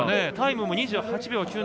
タイムも２８秒９７。